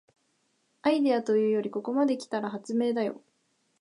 アイデアというよりここまで来たら発明だよ